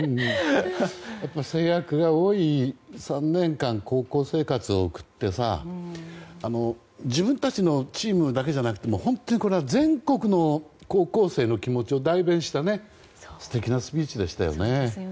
制約が多い３年間高校生活を送ってさ自分たちのチームだけじゃなくて本当に、これは全国の高校生の気持ちを代弁した素敵なスピーチでしたよね。